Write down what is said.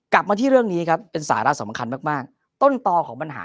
กลับมาที่เรื่องนี้ครับเป็นสาระสำคัญมากมากต้นต่อของปัญหา